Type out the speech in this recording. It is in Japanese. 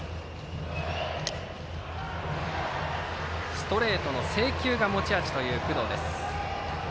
ストレートの制球が持ち味という工藤です。